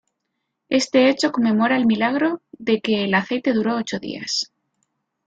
Este hecho conmemora el milagro de que el aceite duró ocho días.